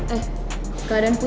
eh kak denpeng